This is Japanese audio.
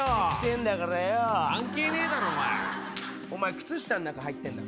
靴下の中入ってんだろ。